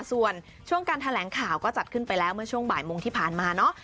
ส่วนช่วงการแถลงข่าวก็จัดขึ้นไปแล้วเมื่อช่วงบ่ายโมงที่ผ่านมาเนาะ